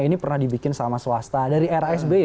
ini pernah dibikin sama swasta dari rasby